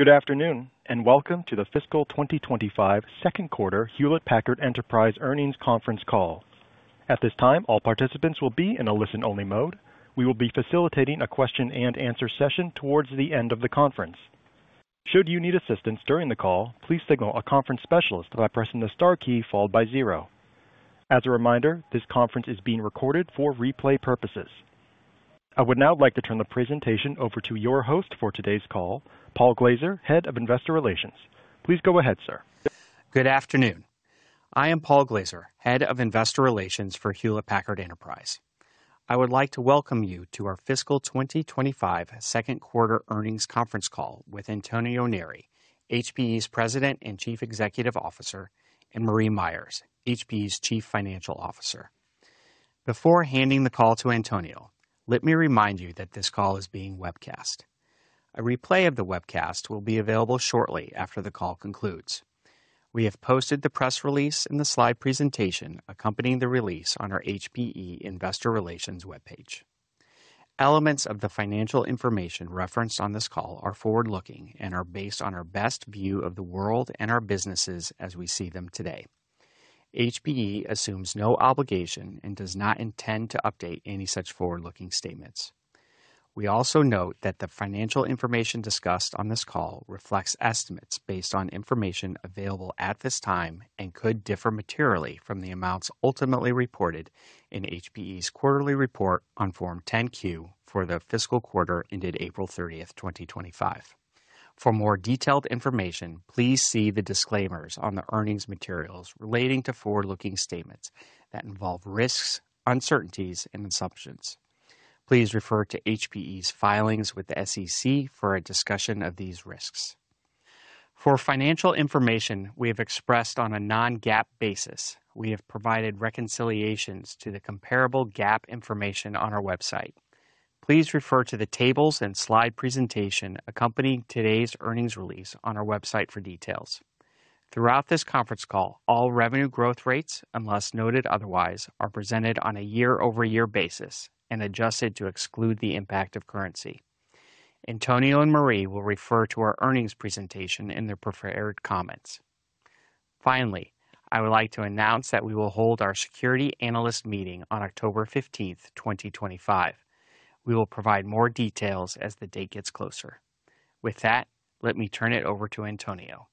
Good afternoon, and welcome to the Fiscal 2025 second quarter Hewlett Packard Enterprise earnings conference call. At this time, all participants will be in a listen-only mode. We will be facilitating a question-and-answer session towards the end of the conference. Should you need assistance during the call, please signal a conference specialist by pressing the star key followed by zero. As a reminder, this conference is being recorded for replay purposes. I would now like to turn the presentation over to your host for today's call, Paul Glaser, Head of Investor Relations. Please go ahead, sir. Good afternoon. I am Paul Glaser, Head of Investor Relations for Hewlett Packard Enterprise. I would like to welcome you to our fiscal 2025 second quarter earnings conference call with Antonio Neri, HPE's President and Chief Executive Officer, and Marie Myers, HPE's Chief Financial Officer. Before handing the call to Antonio, let me remind you that this call is being webcast. A replay of the webcast will be available shortly after the call concludes. We have posted the press release and the slide presentation accompanying the release on our HPE Investor Relations webpage. Elements of the financial information referenced on this call are forward-looking and are based on our best view of the world and our businesses as we see them today. HPE assumes no obligation and does not intend to update any such forward-looking statements. We also note that the financial information discussed on this call reflects estimates based on information available at this time and could differ materially from the amounts ultimately reported in HPE's quarterly report on Form 10-Q for the fiscal quarter ended April 30th, 2025. For more detailed information, please see the disclaimers on the earnings materials relating to forward-looking statements that involve risks, uncertainties, and assumptions. Please refer to HPE's filings with the SEC for a discussion of these risks. For financial information we have expressed on a non-GAAP basis, we have provided reconciliations to the comparable GAAP information on our website. Please refer to the tables and slide presentation accompanying today's earnings release on our website for details. Throughout this conference call, all revenue growth rates, unless noted otherwise, are presented on a year-over-year basis and adjusted to exclude the impact of currency. Antonio and Marie will refer to our earnings presentation in their prepared comments. Finally, I would like to announce that we will hold our Security Analyst Meeting on October 15th, 2025. We will provide more details as the date gets closer. With that, let me turn it over to Antonio.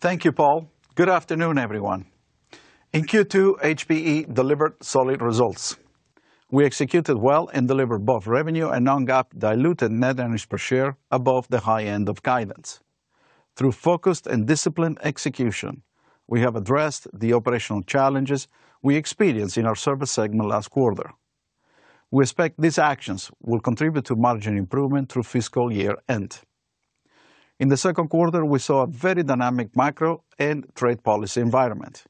Thank you, Paul. Good afternoon, everyone. In Q2, HPE delivered solid results. We executed well and delivered both revenue and non-GAAP diluted net earnings per share above the high end of guidance. Through focused and disciplined execution, we have addressed the operational challenges we experienced in our service segment last quarter. We expect these actions will contribute to margin improvement through fiscal year end. In the second quarter, we saw a very dynamic macro and trade policy environment.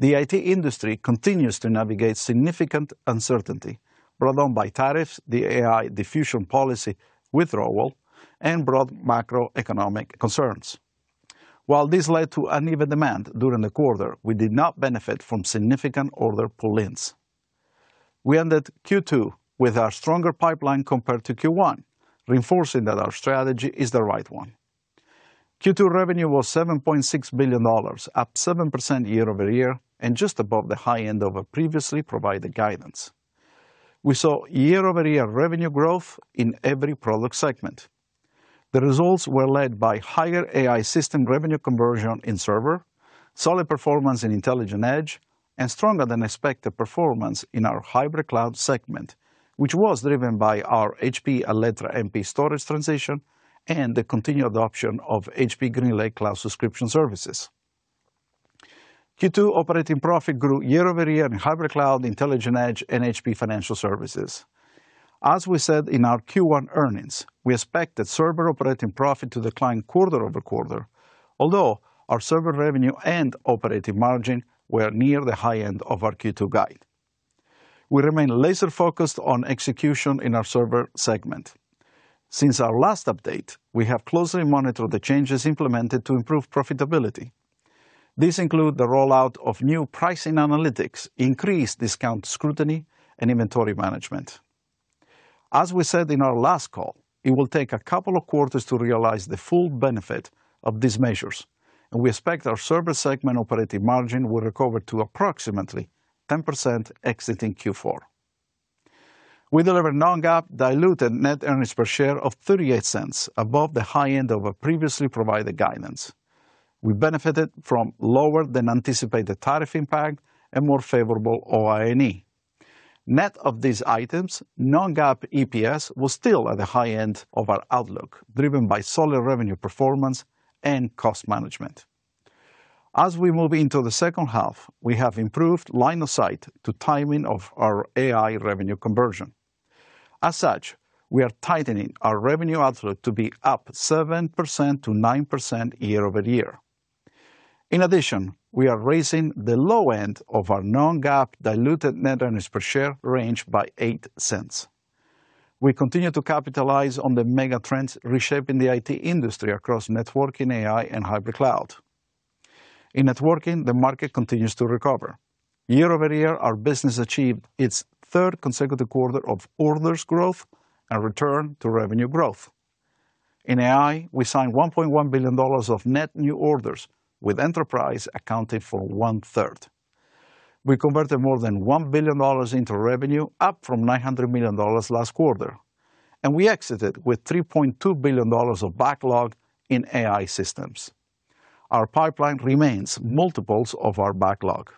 The IT industry continues to navigate significant uncertainty brought on by tariffs, the AI diffusion policy withdrawal, and broad macroeconomic concerns. While this led to uneven demand during the quarter, we did not benefit from significant order pull-ins. We ended Q2 with our stronger pipeline compared to Q1, reinforcing that our strategy is the right one. Q2 revenue was $7.6 billion, up 7% year-over-year and just above the high end of our previously provided guidance. We saw year-over-year revenue growth in every product segment. The results were led by higher AI system revenue conversion in server, solid performance in Intelligent Edge, and stronger than expected performance in our hybrid cloud segment, which was driven by our HPE Alletra MP storage transition and the continued adoption of HPE GreenLake cloud subscription services. Q2 operating profit grew year-over-year in hybrid cloud, Intelligent Edge, and HPE Financial Services. As we said in our Q1 earnings, we expected server operating profit to decline quarter-over-quarter, although our server revenue and operating margin were near the high end of our Q2 guide. We remain laser-focused on execution in our server segment. Since our last update, we have closely monitored the changes implemented to improve profitability. These include the rollout of new pricing analytics, increased discount scrutiny, and inventory management. As we said in our last call, it will take a couple of quarters to realize the full benefit of these measures, and we expect our server segment operating margin will recover to approximately 10% exiting Q4. We delivered non-GAAP diluted net earnings per share of $0.38, above the high end of our previously provided guidance. We benefited from lower than anticipated tariff impact and more favorable OINE. Net of these items, non-GAAP EPS was still at the high end of our outlook, driven by solid revenue performance and cost management. As we move into the second half, we have improved line of sight to timing of our AI revenue conversion. As such, we are tightening our revenue outlook to be up 7%-9% year-over-year. In addition, we are raising the low end of our non-GAAP diluted net earnings per share range by $0.08. We continue to capitalize on the mega trends reshaping the IT industry across networking, AI, and hybrid cloud. In networking, the market continues to recover. Year-over-year, our business achieved its third consecutive quarter of orders growth and return to revenue growth. In AI, we signed $1.1 billion of net new orders, with enterprise accounting for one-third. We converted more than $1 billion into revenue, up from $900 million last quarter, and we exited with $3.2 billion of backlog in AI systems. Our pipeline remains multiples of our backlog.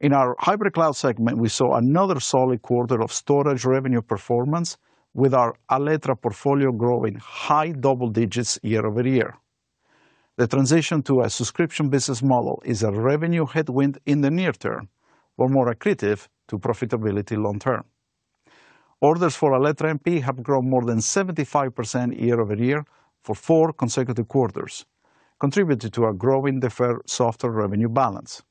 In our hybrid cloud segment, we saw another solid quarter of storage revenue performance, with our Alletra portfolio growing high double digits year-over-year. The transition to a subscription business model is a revenue headwind in the near term, but more accretive to profitability long-term. Orders for Alletra MP have grown more than 75% year-over-year for four consecutive quarters, contributing to our growing deferred software revenue balance.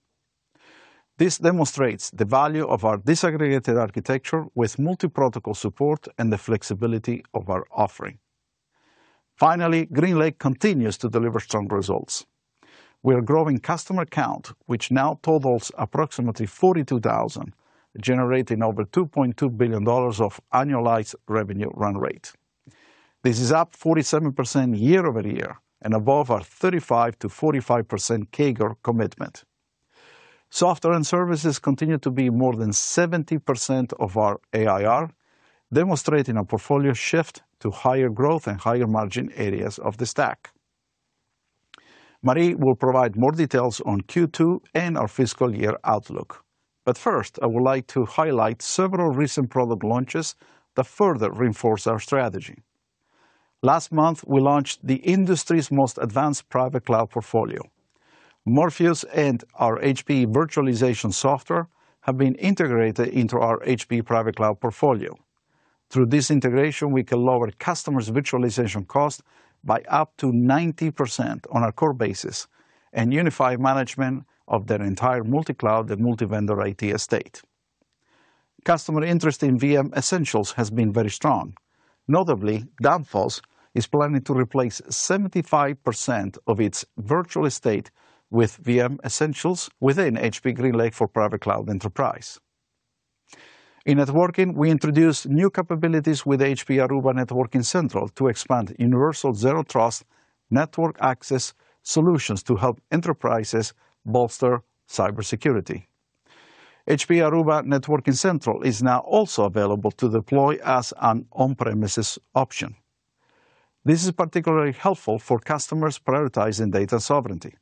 This demonstrates the value of our disaggregated architecture with multi-protocol support and the flexibility of our offering. Finally, GreenLake continues to deliver strong results. We are growing customer count, which now totals approximately 42,000, generating over $2.2 billion of annualized revenue run rate. This is up 47% year-over-year and above our 35%-45% CAGR commitment. Software and services continue to be more than 70% of our ARR, demonstrating a portfolio shift to higher growth and higher margin areas of the stack. Marie will provide more details on Q2 and our fiscal year outlook. First, I would like to highlight several recent product launches that further reinforce our strategy. Last month, we launched the industry's most advanced private cloud portfolio. Morpheus and our HPE virtualization software have been integrated into our HPE Private Cloud portfolio. Through this integration, we can lower customers' virtualization cost by up to 90% on a core basis and unify management of their entire multi-cloud and multi-vendor IT estate. Customer interest in VM Essentials has been very strong. Notably, Danfoss is planning to replace 75% of its virtual estate with VM Essentials within HPE GreenLake for Private Cloud Enterprise. In networking, we introduced new capabilities with HPE Aruba Networking Central to expand universal zero trust network access solutions to help enterprises bolster cybersecurity. HPE Aruba Networking Central is now also available to deploy as an on-premises option. This is particularly helpful for customers prioritizing data sovereignty.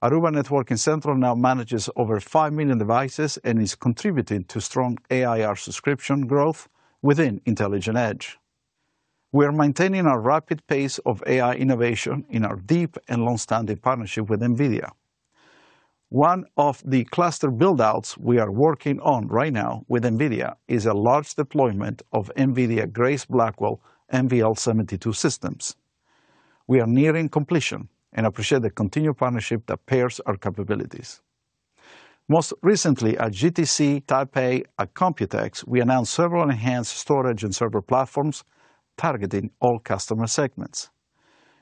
Aruba Networking Central now manages over 5 million devices and is contributing to strong ARR subscription growth within Intelligent Edge. We are maintaining a rapid pace of AI innovation in our deep and long-standing partnership with NVIDIA. One of the cluster buildouts we are working on right now with NVIDIA is a large deployment of NVIDIA Grace Blackwell MVL72 systems. We are nearing completion and appreciate the continued partnership that pairs our capabilities. Most recently, at GTC Taipei at Computex, we announced several enhanced storage and server platforms targeting all customer segments.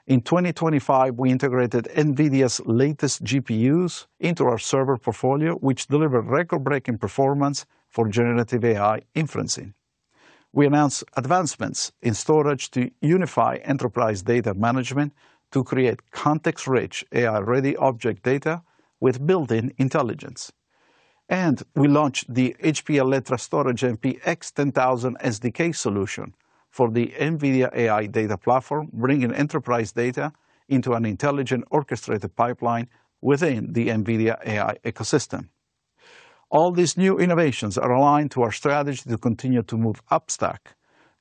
In 2025, we integrated NVIDIA's latest GPUs into our server portfolio, which delivered record-breaking performance for generative AI inferencing. We announced advancements in storage to unify enterprise data management to create context-rich AI-ready object data with built-in intelligence. We launched the HPE Alletra MP X1000 SDK solution for the NVIDIA AI Data Platform, bringing enterprise data into an intelligent orchestrated pipeline within the NVIDIA AI ecosystem. All these new innovations are aligned to our strategy to continue to move upstack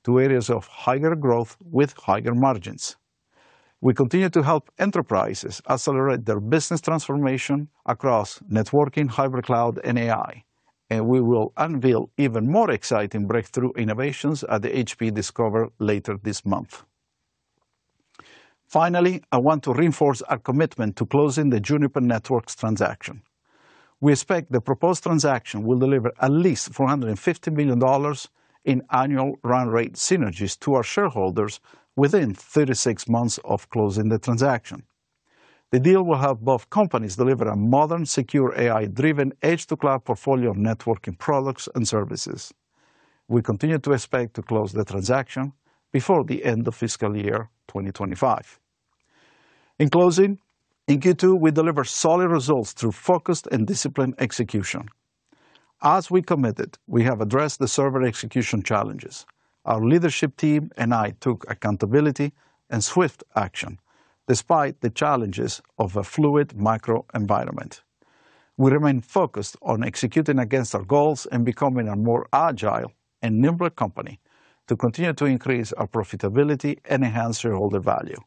to areas of higher growth with higher margins. We continue to help enterprises accelerate their business transformation across networking, hybrid cloud, and AI, and we will unveil even more exciting breakthrough innovations at the HPE Discover later this month. Finally, I want to reinforce our commitment to closing the Juniper Networks transaction. We expect the proposed transaction will deliver at least $450 million in annual run rate synergies to our shareholders within 36 months of closing the transaction. The deal will have both companies deliver a modern, secure, AI-driven edge-to-cloud portfolio of networking products and services. We continue to expect to close the transaction before the end of fiscal year 2025. In closing, in Q2, we delivered solid results through focused and disciplined execution. As we committed, we have addressed the server execution challenges. Our leadership team and I took accountability and swift action despite the challenges of a fluid microenvironment. We remain focused on executing against our goals and becoming a more agile and nimble company to continue to increase our profitability and enhance shareholder value.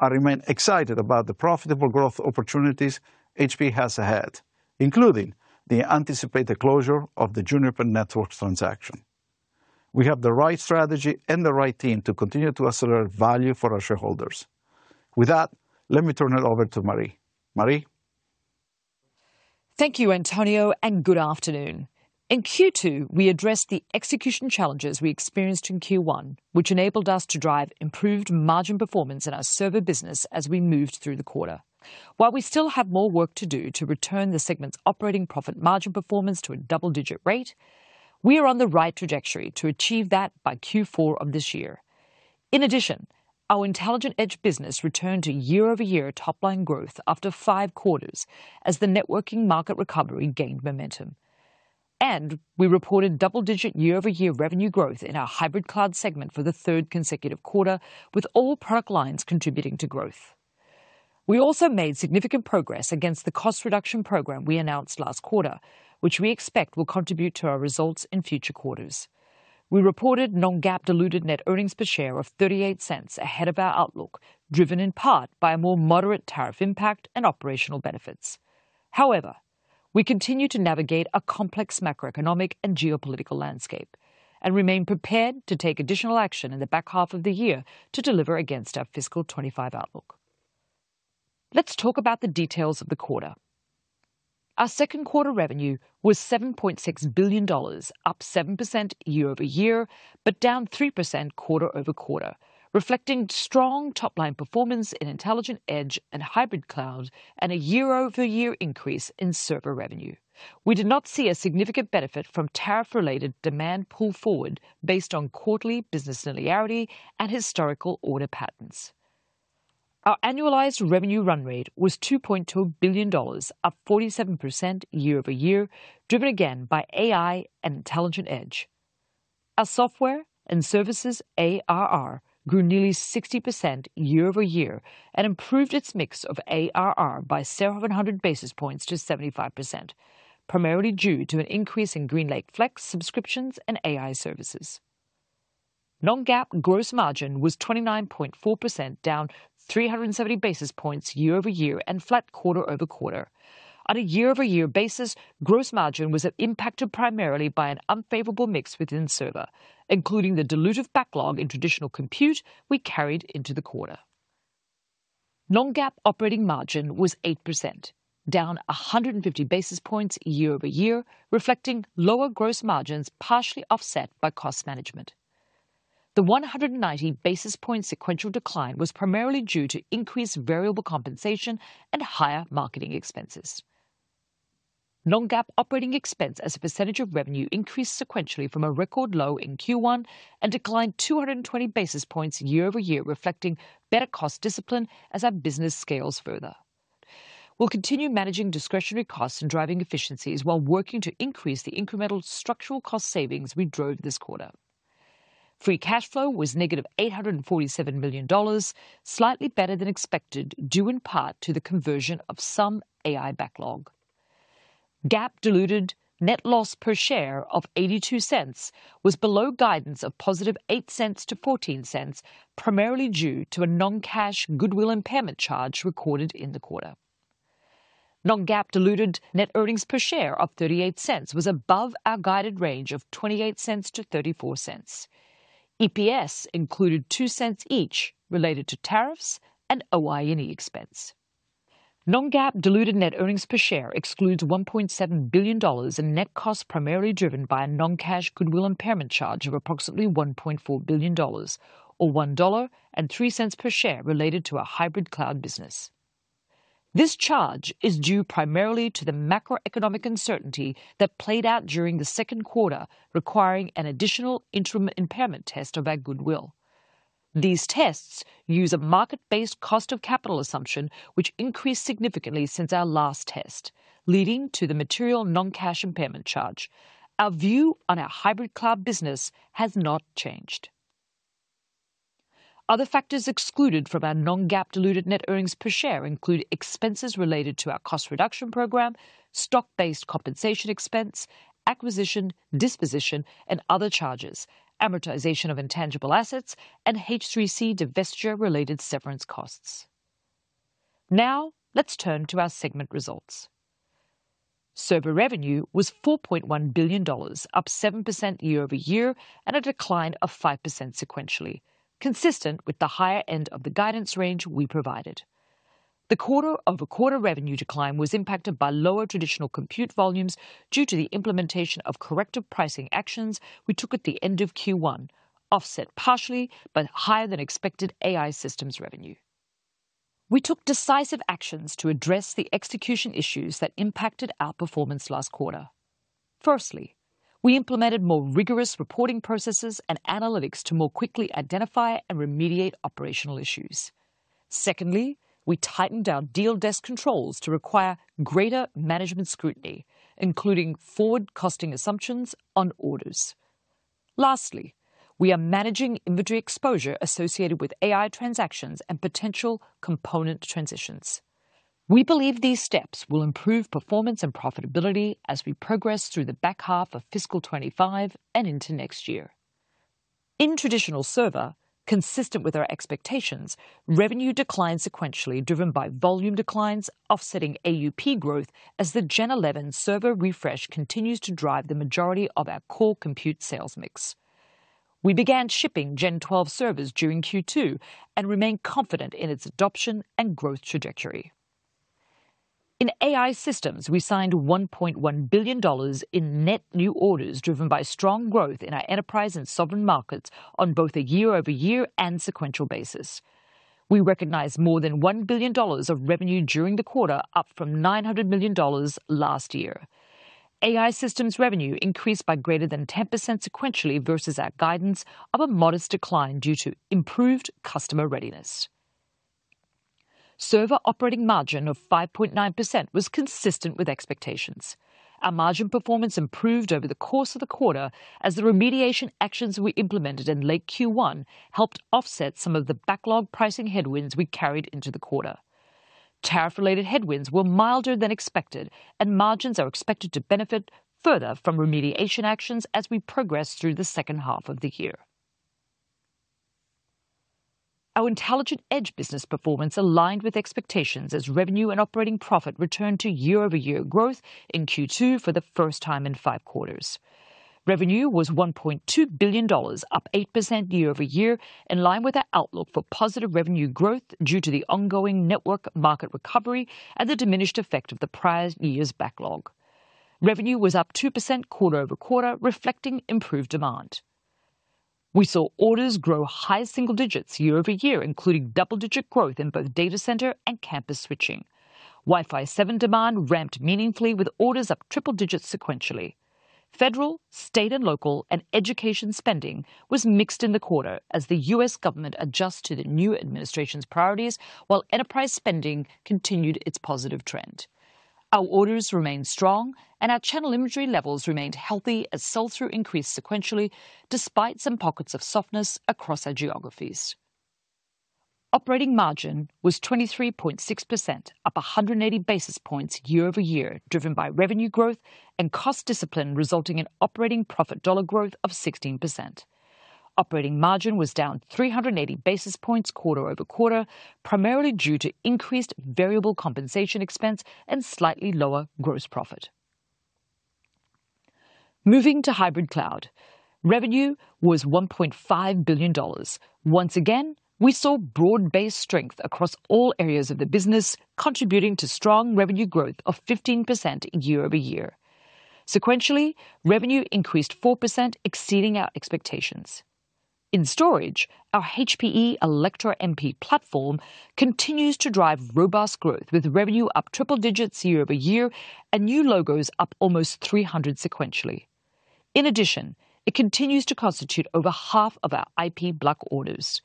I remain excited about the profitable growth opportunities HPE has ahead, including the anticipated closure of the Juniper Networks transaction. We have the right strategy and the right team to continue to accelerate value for our shareholders. With that, let me turn it over to Marie. Marie. Thank you, Antonio, and good afternoon. In Q2, we addressed the execution challenges we experienced in Q1, which enabled us to drive improved margin performance in our server business as we moved through the quarter. While we still have more work to do to return the segment's operating profit margin performance to a double-digit rate, we are on the right trajectory to achieve that by Q4 of this year. In addition, our Intelligent Edge business returned to year-over-year top-line growth after five quarters as the networking market recovery gained momentum. We reported double-digit year-over-year revenue growth in our hybrid cloud segment for the third consecutive quarter, with all product lines contributing to growth. We also made significant progress against the cost reduction program we announced last quarter, which we expect will contribute to our results in future quarters. We reported non-GAAP diluted net earnings per share of $0.38 ahead of our outlook, driven in part by a more moderate tariff impact and operational benefits. However, we continue to navigate a complex macroeconomic and geopolitical landscape and remain prepared to take additional action in the back half of the year to deliver against our fiscal 2025 outlook. Let's talk about the details of the quarter. Our second quarter revenue was $7.6 billion, up 7% year-over-year but down-3% quarter-over-quarter, reflecting strong top-line performance in Intelligent Edge and hybrid cloud and a year-over-year increase in server revenue. We did not see a significant benefit from tariff-related demand pull forward based on quarterly business linearity and historical order patterns. Our annualized revenue run rate was $2.2 billion, up 47% year-over-year, driven again by AI and Intelligent Edge. Our software and services ARR grew nearly 60% year-over-year and improved its mix of ARR by 700 basis points to 75%, primarily due to an increase in GreenLake Flex subscriptions and AI services. Non-GAAP gross margin was 29.4%, down 370 basis points year-over-year and flat quarter-over-quarter. On a year-over-year basis, gross margin was impacted primarily by an unfavorable mix within server, including the dilutive backlog in traditional compute we carried into the quarter. Non-GAAP operating margin was 8%, down 150 basis points year-over-year, reflecting lower gross margins partially offset by cost management. The 190 basis point sequential decline was primarily due to increased variable compensation and higher marketing expenses. Non-GAAP operating expense as a percentage of revenue increased sequentially from a record low in Q1 and declined 220 basis points year-over-year, reflecting better cost discipline as our business scales further. We'll continue managing discretionary costs and driving efficiencies while working to increase the incremental structural cost savings we drove this quarter. Free cash flow was -$847 million, slightly better than expected due in part to the conversion of some AI backlog. GAAP diluted net loss per share of $0.82 was below guidance of +$0.08-$0.14, primarily due to a non-cash goodwill impairment charge recorded in the quarter. Non-GAAP diluted net earnings per share of $0.38 was above our guided range of $0.28-$0.34. EPS included $0.02 each related to tariffs and OINE expense. Non-GAAP diluted net earnings per share excludes $1.7 billion in net costs primarily driven by a non-cash goodwill impairment charge of approximately $1.4 billion, or $1.03 per share related to our hybrid cloud business. This charge is due primarily to the macroeconomic uncertainty that played out during the second quarter, requiring an additional interim impairment test of our goodwill. These tests use a market-based cost of capital assumption, which increased significantly since our last test, leading to the material non-cash impairment charge. Our view on our hybrid cloud business has not changed. Other factors excluded from our non-GAAP diluted net earnings per share include expenses related to our cost reduction program, stock-based compensation expense, acquisition, disposition, and other charges, amortization of intangible assets, and H3C divestiture-related severance costs. Now, let's turn to our segment results. Server revenue was $4.1 billion, up 7% year-over-year and a decline of 5% sequentially, consistent with the higher end of the guidance range we provided. The quarter-over-quarter revenue decline was impacted by lower traditional compute volumes due to the implementation of corrective pricing actions we took at the end of Q1, offset partially by higher than expected AI systems revenue. We took decisive actions to address the execution issues that impacted our performance last quarter. Firstly, we implemented more rigorous reporting processes and analytics to more quickly identify and remediate operational issues. Secondly, we tightened our deal desk controls to require greater management scrutiny, including forward costing assumptions on orders. Lastly, we are managing inventory exposure associated with AI transactions and potential component transitions. We believe these steps will improve performance and profitability as we progress through the back half of fiscal 2025 and into next year. In traditional server, consistent with our expectations, revenue declined sequentially driven by volume declines, offsetting AUP growth as the Gen-11 server refresh continues to drive the majority of our core compute sales mix. We began shipping Gen-12 servers during Q2 and remain confident in its adoption and growth trajectory. In AI systems, we signed $1.1 billion in net new orders driven by strong growth in our enterprise and sovereign markets on both a year-over-year and sequential basis. We recognize more than $1 billion of revenue during the quarter, up from $900 million last year. AI systems revenue increased by greater than 10% sequentially versus our guidance of a modest decline due to improved customer readiness. Server operating margin of 5.9% was consistent with expectations. Our margin performance improved over the course of the quarter as the remediation actions we implemented in late Q1 helped offset some of the backlog pricing headwinds we carried into the quarter. Tariff-related headwinds were milder than expected, and margins are expected to benefit further from remediation actions as we progress through the second half of the year. Our Intelligent Edge business performance aligned with expectations as revenue and operating profit returned to year-over-year growth in Q2 for the first time in five quarters. Revenue was $1.2 billion, up 8% year-over-year, in line with our outlook for positive revenue growth due to the ongoing network market recovery and the diminished effect of the prior year's backlog. Revenue was up 2% quarter over quarter, reflecting improved demand. We saw orders grow high single digits year-over-year, including double-digit growth in both data center and campus switching. Wi-Fi 7 demand ramped meaningfully, with orders up triple digits sequentially. Federal, state, and local education spending was mixed in the quarter as the U.S. government adjusted to the new administration's priorities, while enterprise spending continued its positive trend. Our orders remained strong, and our channel inventory levels remained healthy as sell-through increased sequentially despite some pockets of softness across our geographies. Operating margin was 23.6%, up 180 basis points year-over-year, driven by revenue growth and cost discipline, resulting in operating profit dollar growth of 16%. Operating margin was down 380 basis points quarter-over-quarter, primarily due to increased variable compensation expense and slightly lower gross profit. Moving to hybrid cloud, revenue was $1.5 billion. Once again, we saw broad-based strength across all areas of the business, contributing to strong revenue growth of 15% year-over-year. Sequentially, revenue increased 4%, exceeding our expectations. In storage, our HPE Alletra MP platform continues to drive robust growth, with revenue up triple digits year-over-year and new logos up almost 300 sequentially. In addition, it continues to constitute over half of our IP block orders.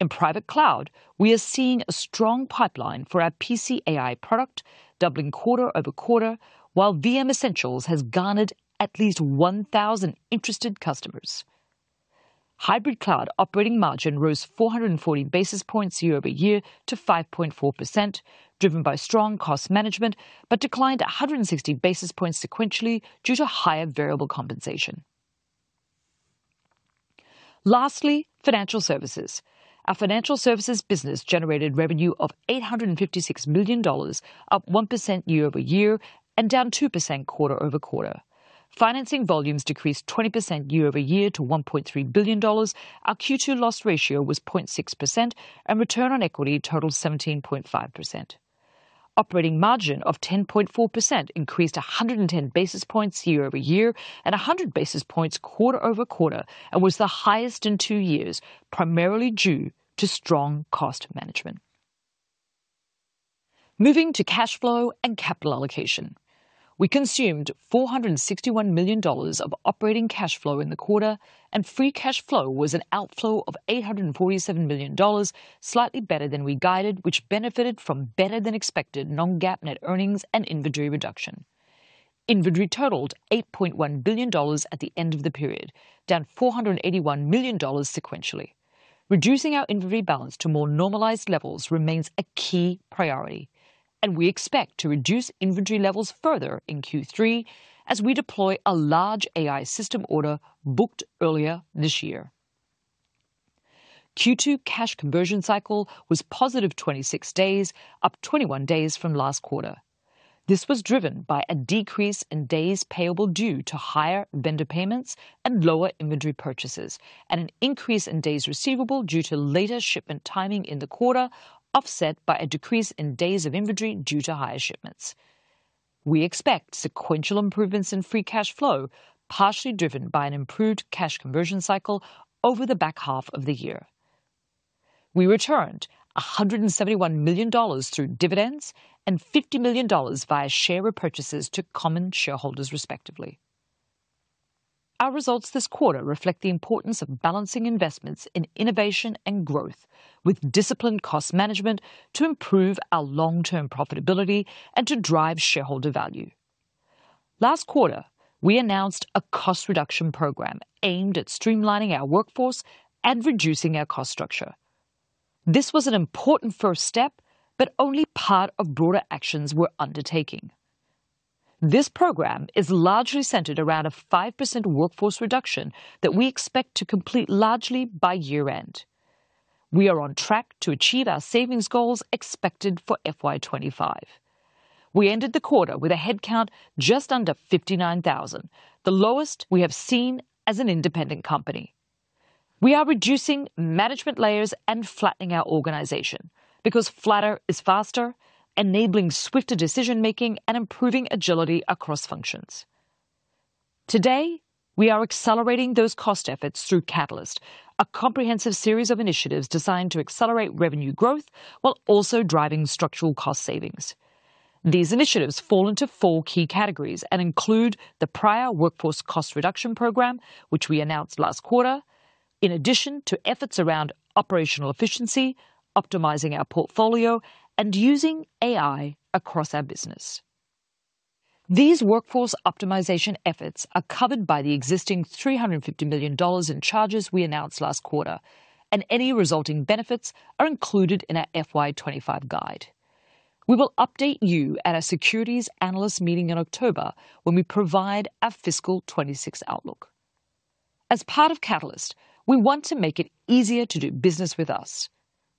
In private cloud, we are seeing a strong pipeline for our PC AI product, doubling quarter-over-quarter, while VM Essentials has garnered at least 1,000 interested customers. Hybrid cloud operating margin rose 440 basis points year-over-year to 5.4%, driven by strong cost management, but declined 160 basis points sequentially due to higher variable compensation. Lastly, financial services. Our financial services business generated revenue of $856 million, up 1% year-over-year and down 2% quarter-over-quarter. Financing volumes decreased 20% year-over-year to $1.3 billion. Our Q2 loss ratio was 0.6%, and return on equity totaled 17.5%. Operating margin of 10.4% increased 110 basis points year-over-year and 100 basis points quarter over quarter and was the highest in two years, primarily due to strong cost management. Moving to cash flow and capital allocation. We consumed $461 million of operating cash flow in the quarter, and free cash flow was an outflow of $847 million, slightly better than we guided, which benefited from better-than-expected non-GAAP net earnings and inventory reduction. Inventory totaled $8.1 billion at the end of the period, down $481 million sequentially. Reducing our inventory balance to more normalized levels remains a key priority, and we expect to reduce inventory levels further in Q3 as we deploy a large AI system order booked earlier this year. Q2 cash conversion cycle was positive 26 days, up 21 days from last quarter. This was driven by a decrease in days payable due to higher vendor payments and lower inventory purchases, and an increase in days receivable due to later shipment timing in the quarter, offset by a decrease in days of inventory due to higher shipments. We expect sequential improvements in free cash flow, partially driven by an improved cash conversion cycle over the back half of the year. We returned $171 million through dividends and $50 million via share repurchases to common shareholders, respectively. Our results this quarter reflect the importance of balancing investments in innovation and growth with disciplined cost management to improve our long-term profitability and to drive shareholder value. Last quarter, we announced a cost reduction program aimed at streamlining our workforce and reducing our cost structure. This was an important first step, but only part of broader actions we're undertaking. This program is largely centered around a 5% workforce reduction that we expect to complete largely by year-end. We are on track to achieve our savings goals expected for FY 2025. We ended the quarter with a headcount just under 59,000, the lowest we have seen as an independent company. We are reducing management layers and flattening our organization because flatter is faster, enabling swifter decision-making and improving agility across functions. Today, we are accelerating those cost efforts through Catalyst, a comprehensive series of initiatives designed to accelerate revenue growth while also driving structural cost savings. These initiatives fall into four key categories and include the prior workforce cost reduction program, which we announced last quarter, in addition to efforts around operational efficiency, optimizing our portfolio, and using AI across our business. These workforce optimization efforts are covered by the existing $350 million in charges we announced last quarter, and any resulting benefits are included in our FY 2025 guide. We will update you at our securities analyst meeting in October when we provide our fiscal 2026 outlook. As part of Catalyst, we want to make it easier to do business with us,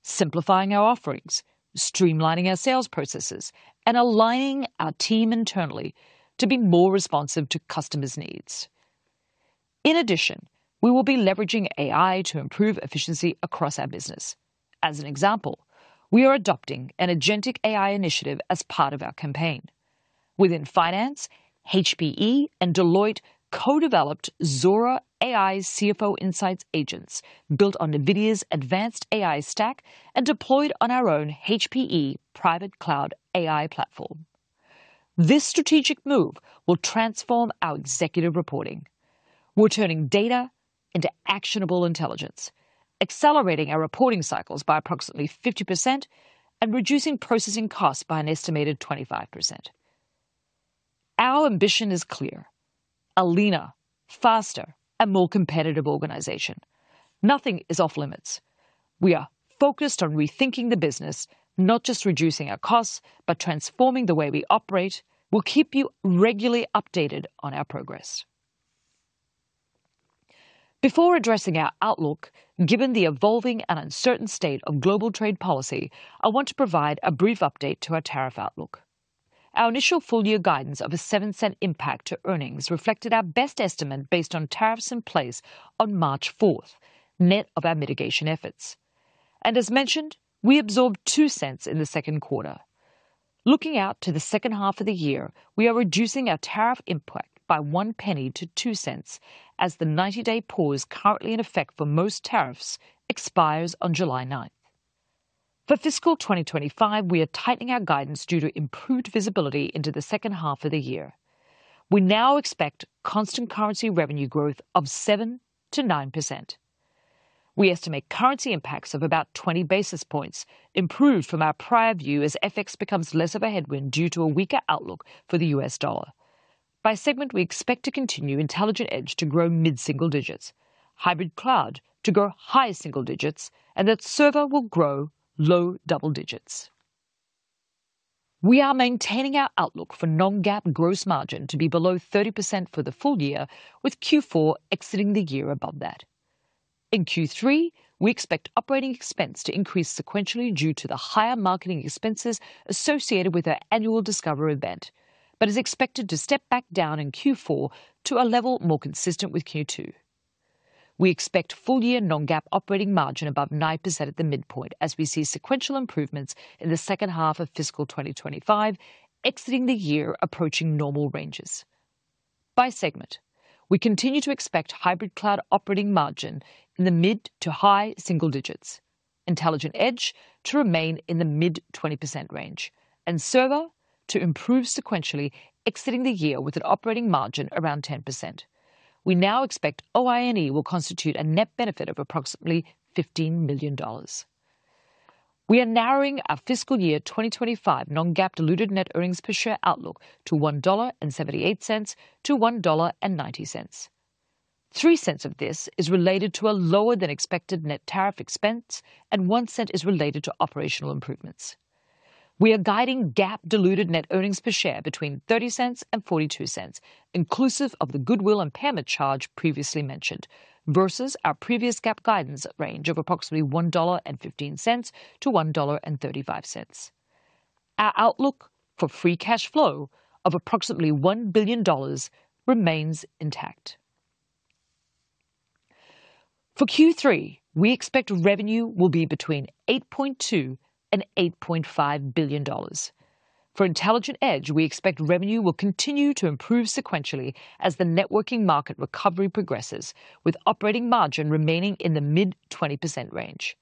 simplifying our offerings, streamlining our sales processes, and aligning our team internally to be more responsive to customers' needs. In addition, we will be leveraging AI to improve efficiency across our business. As an example, thwe are adopting an agentic AI initiative as part of our campaign. Within finance, HPE and Deloitte co-developed Zora AI CFO Insights agents built on NVIDIA's advanced AI stack and deployed on our own HPE Private Cloud AI platform. This strategic move will transform our executive reporting. We're turning data into actionable intelligence, accelerating our reporting cycles by approximately 50%, and reducing processing costs by an estimated 25%. Our ambition is clear: a leaner, faster, and more competitive organization. Nothing is off-limits. We are focused on rethinking the business, not just reducing our costs, but transforming the way we operate. We'll keep you regularly updated on our progress. Before addressing our outlook, given the evolving and uncertain state of global trade policy, I want to provide a brief update to our tariff outlook. Our initial full-year guidance of a 7% impact to earnings reflected our best estimate based on tariffs in place on March 4th, net of our mitigation efforts. As mentioned, we absorbed $0.02 in the second quarter. Looking out to the second half of the year, we are reducing our tariff impact by one penny to 2 cents as the 90-day pause currently in effect for most tariffs expires on July 9. For fiscal 2025, we are tightening our guidance due to improved visibility into the second half of the year. We now expect constant currency revenue growth of 7%-9%. We estimate currency impacts of about 20 basis points, improved from our prior view as FX becomes less of a headwind due to a weaker outlook for the US dollar. By segment, we expect to continue Intelligent Edge to grow mid-single digits, Hybrid Cloud to grow high single digits, and that server will grow low double digits. We are maintaining our outlook for non-GAAP gross margin to be below 30% for the full year, with Q4 exiting the year above that. In Q3, we expect operating expense to increase sequentially due to the higher marketing expenses associated with our annual discovery event, but is expected to step back down in Q4 to a level more consistent with Q2. We expect full-year non-GAAP operating margin above 9% at the midpoint as we see sequential improvements in the second half of fiscal 2025, exiting the year approaching normal ranges. By segment, we continue to expect Hybrid Cloud operating margin in the mid to high single-digits, Intelligent Edge to remain in the mid 20% range, and server to improve sequentially, exiting the year with an operating margin around 10%. We now expect OINE will constitute a net benefit of approximately $15 million. We are narrowing our fiscal year 2025 non-GAAP diluted net earnings per share outlook to $1.78-$1.90. 3 cents of this is related to a lower-than-expected net tariff expense, $0.001 and is related to operational improvements. We are guiding GAAP diluted net earnings per share between $0.30 and $0.42, inclusive of the goodwill impairment charge previously mentioned, versus our previous GAAP guidance range of approximately $1.15-$1.35. Our outlook for free cash flow of approximately $1 billion remains intact. For Q3, we expect revenue will be between $8.2-$8.5 billion. For Intelligent Edge, we expect revenue will continue to improve sequentially as the networking market recovery progresses, with operating margin remaining in the mid 20% range.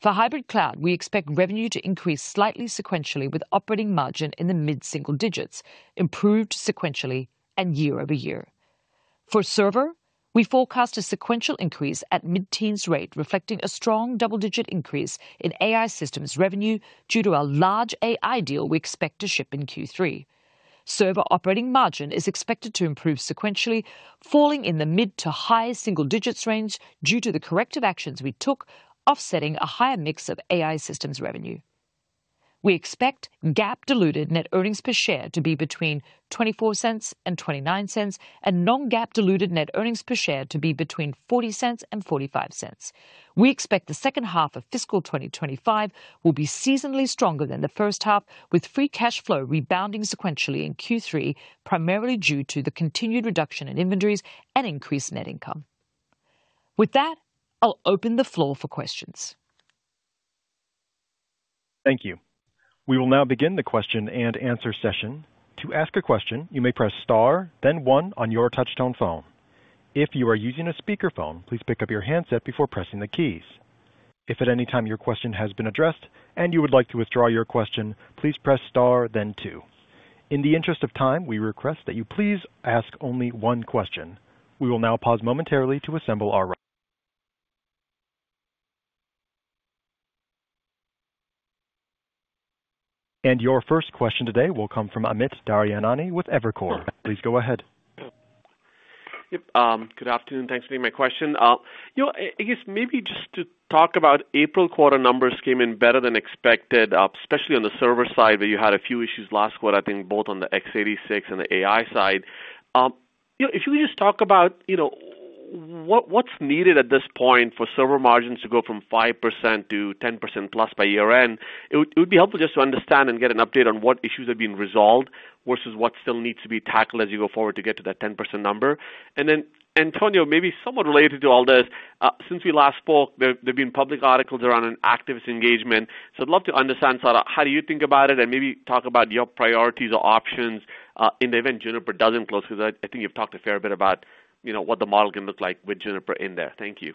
For Hybrid Cloud, we expect revenue to increase slightly sequentially, with operating margin in the mid single digits, improved sequentially and year-over-year. For server, we forecast a sequential increase at mid-teens rate, reflecting a strong double-digit increase in AI systems revenue due to our large AI deal we expect to ship in Q3. Server operating margin is expected to improve sequentially, falling in the mid to high single digits range due to the corrective actions we took, offsetting a higher mix of AI systems revenue. We expect GAAP diluted net earnings per share to be between $0.24 and $0.29, and non-GAAP diluted net earnings per share to be between $0.40 and $0.45. We expect the second half of fiscal 2025 will be seasonally stronger than the first half, with free cash flow rebounding sequentially in Q3, primarily due to the continued reduction in inventories and increased net income. With that, I'll open the floor for questions. Thank you. We will now begin the question and answer session. To ask a question, you may press star, then one on your touch-tone phone. If you are using a speakerphone, please pick up your handset before pressing the keys. If at any time your question has been addressed and you would like to withdraw your question, please press star, then two. In the interest of time, we request that you please ask only one question. We will now pause momentarily to assemble our... Your first question today will come from Amit Daryanani with Evercore. Please go ahead. Yep. Good afternoon. Thanks for taking my question. I guess maybe just to talk about April quarter numbers came in better than expected, especially on the server side where you had a few issues last quarter, I think both on the x86 and the AI side. If you could just talk about what's needed at this point for server margins to go from 5%-10%+ by year-end, it would be helpful just to understand and get an update on what issues have been resolved versus what still needs to be tackled as you go forward to get to that 10% number. Then, Antonio, maybe somewhat related to all this, since we last spoke, there have been public articles around an activist engagement. I'd love to understand sort of how do you think about it and maybe talk about your priorities or options in the event Juniper doesn't close because I think you've talked a fair bit about what the model can look like with Juniper in there. Thank you.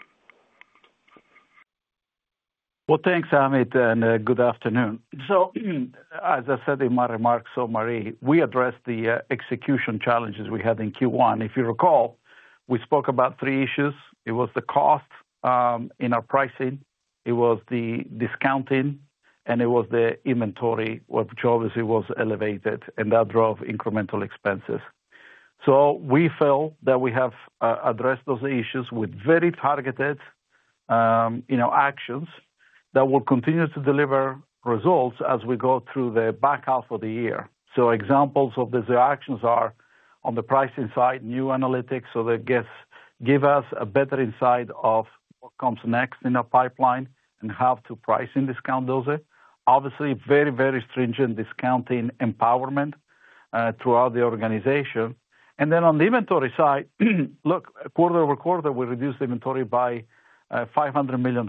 Thanks, Amit, and good afternoon. As I said in my remarks, Marie, we addressed the execution challenges we had in Q1. If you recall, we spoke about three issues. It was the cost in our pricing, it was the discounting, and it was the inventory, which obviously was elevated, and that drove incremental expenses. We felt that we have addressed those issues with very targeted actions that will continue to deliver results as we go through the back half of the year. Examples of these actions are on the pricing side, new analytics, so that gives us a better insight of what comes next in our pipeline and how to price and discount those. Obviously, very, very stringent discounting empowerment throughout the organization. On the inventory side, quarter over quarter, we reduced inventory by $500 million.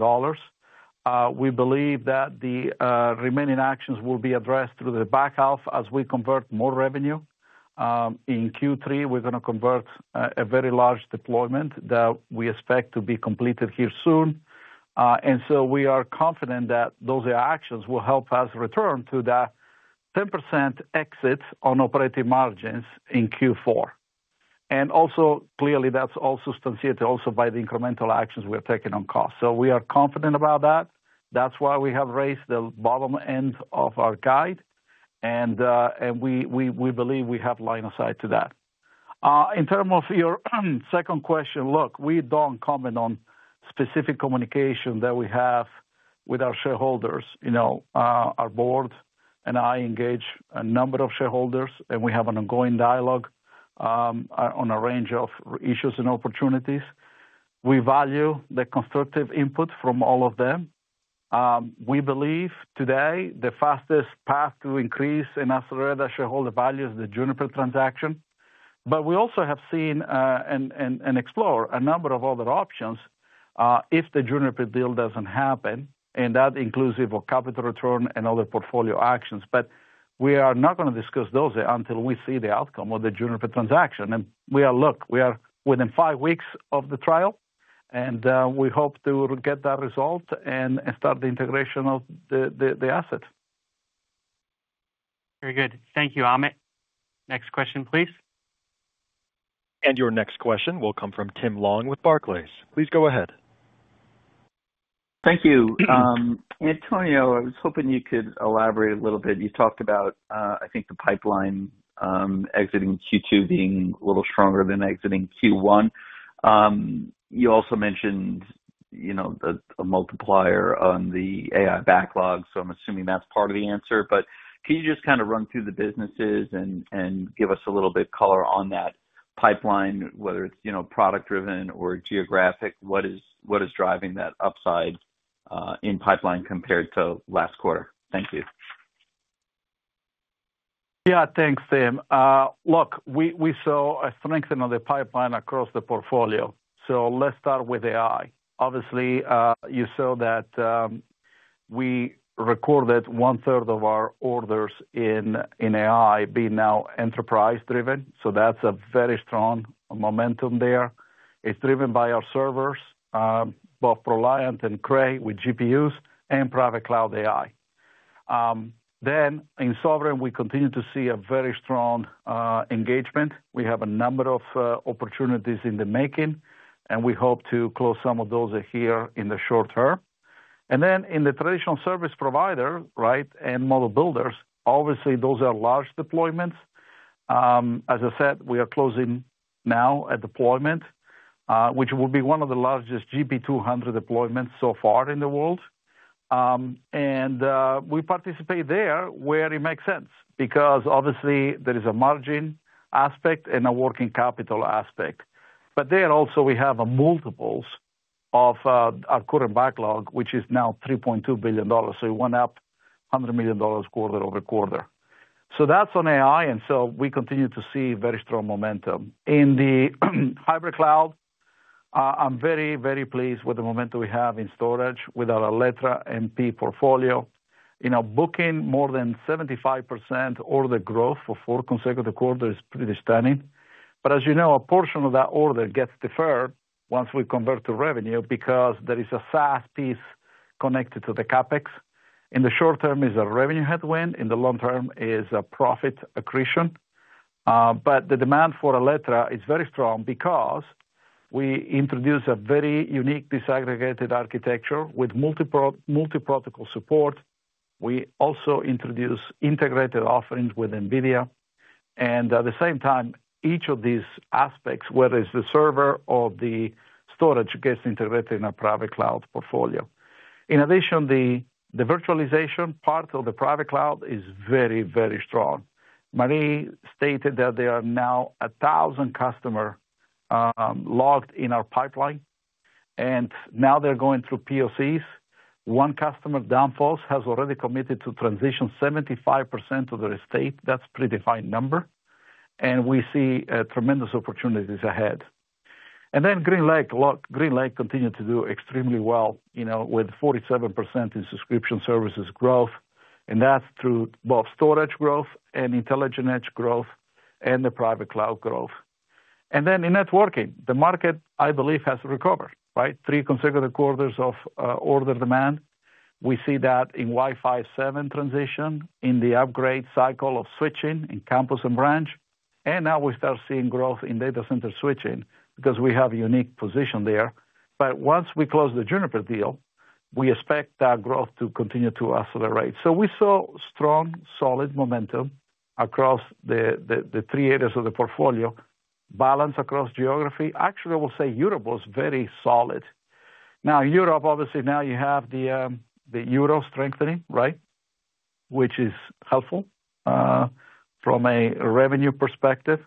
We believe that the remaining actions will be addressed through the back half as we convert more revenue. In Q3, we're going to convert a very large deployment that we expect to be completed here soon. We are confident that those actions will help us return to that 10% exit on operating margins in Q4. That is also substantiated by the incremental actions we are taking on cost. We are confident about that. That is why we have raised the bottom end of our guide, and we believe we have line of sight to that. In terms of your second question, look, we do not comment on specific communication that we have with our shareholders. Our board and I engage a number of shareholders, and we have an ongoing dialogue on a range of issues and opportunities. We value the constructive input from all of them. We believe today the fastest path to increase in accelerated shareholder value is the Juniper transaction. We also have seen and explored a number of other options if the Juniper deal does not happen, and that includes capital return and other portfolio actions. We are not going to discuss those until we see the outcome of the Juniper transaction. We are, look, we are within five weeks of the trial, and we hope to get that result and start the integration of the asset. Very good. Thank you, Amit. Next question, please. Your next question will come from Tim Long with Barclays. Please go ahead. Thank you. Antonio, I was hoping you could elaborate a little bit. You talked about, I think, the pipeline exiting Q2 being a little stronger than exiting Q1. You also mentioned a multiplier on the AI backlog, so I'm assuming that's part of the answer. But can you just kind of run through the businesses and give us a little bit of color on that pipeline, whether it's product-driven or geographic? What is driving that upside in pipeline compared to last quarter? Thank you. Yeah, thanks, Tim. Look, we saw a strengthening of the pipeline across the portfolio. Let's start with AI. Obviously, you saw that we recorded one-third of our orders in AI being now enterprise-driven. That's a very strong momentum there. It's driven by our servers, both Reliant and Cray with GPUs and private cloud AI. In sovereign, we continue to see a very strong engagement. We have a number of opportunities in the making, and we hope to close some of those here in the short-term. In the traditional service provider, right, and model builders, obviously, those are large deployments. As I said, we are closing now a deployment, which will be one of the largest GP-200 deployments so far in the world. We participate there where it makes sense because, obviously, there is a margin aspect and a working capital aspect. There also, we have multiples of our current backlog, which is now $3.2 billion. We went up $100 million quarter-over-quarter. That is on AI, and we continue to see very strong momentum. In the hybrid cloud, I am very, very pleased with the momentum we have in storage with our Alletra MP portfolio. Booking more than 75% order growth for four consecutive quarters is pretty stunning. As you know, a portion of that order gets deferred once we convert to revenue because there is a SaaS piece connected to the CapEx. In the short term, it's a revenue headwind. In the long term, it's a profit accretion. The demand for Alletra is very strong because we introduced a very unique disaggregated architecture with multi-protocol support. We also introduced integrated offerings with NVIDIA. At the same time, each of these aspects, whether it's the server or the storage, gets integrated in our private cloud portfolio. In addition, the virtualization part of the private cloud is very, very strong. Marie stated that there are now 1,000 customers logged in our pipeline, and now they're going through POCs. One customer, Danfoss, has already committed to transition 75% to their estate. That's a predefined number. We see tremendous opportunities ahead. GreenLake. Look, GreenLake continued to do extremely well with 47% in subscription services growth. That is through both storage growth and intelligent edge growth and the private cloud growth. In networking, the market, I believe, has recovered, right? Three consecutive quarters of order demand. We see that in Wi-Fi 7 transition, in the upgrade cycle of switching in campus and branch. Now we start seeing growth in data center switching because we have a unique position there. Once we close the Juniper deal, we expect that growth to continue to accelerate. We saw strong, solid momentum across the three areas of the portfolio, balance across geography. Actually, I will say Europe was very solid. Now, Europe, obviously, now you have the Euro strengthening, right, which is helpful from a revenue perspective.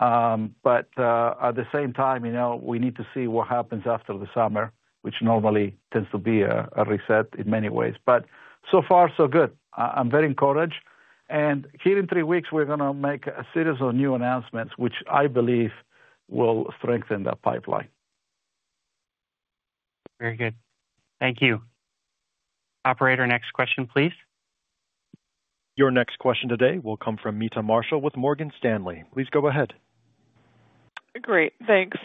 At the same time, we need to see what happens after the summer, which normally tends to be a reset in many ways. So far, so good. I'm very encouraged. Here in three weeks, we're going to make a series of new announcements, which I believe will strengthen that pipeline. Very good. Thank you. Operator, next question, please. Your next question today will come from Meta Marshall with Morgan Stanley. Please go ahead. Great. Thanks.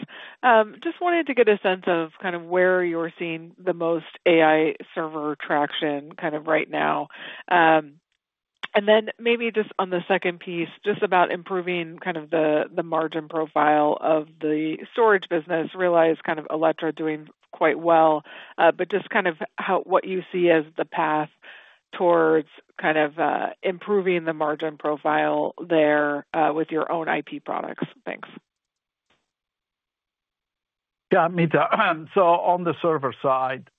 Just wanted to get a sense of kind of where you're seeing the most AI server traction kind of right now. Maybe just on the second piece, just about improving kind of the margin profile of the storage business, realize kind of Alletra doing quite well, but just kind of what you see as the path towards kind of improving the margin profile there with your own IP products. Thanks. Yeah, Mita. On the server side,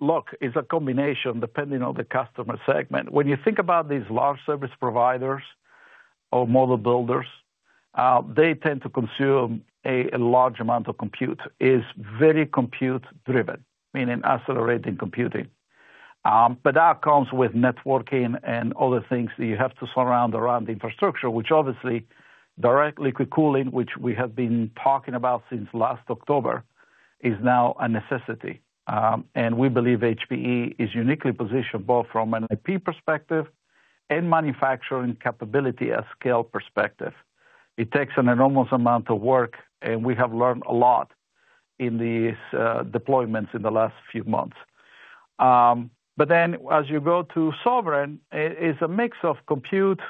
look, it's a combination depending on the customer segment. When you think about these large service providers or model builders, they tend to consume a large amount of compute. It's very compute-driven, meaning accelerating computing. That comes with networking and other things that you have to surround around the infrastructure, which obviously direct liquid cooling, which we have been talking about since last October, is now a necessity. We believe HPE is uniquely positioned both from an IP perspective and manufacturing capability at scale perspective. It takes an enormous amount of work, and we have learned a lot in these deployments in the last few months. As you go to sovereign, it's a mix of compute